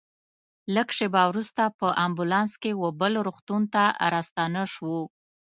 لږ شېبه وروسته په امبولانس کې وه بل روغتون ته راستانه شوو.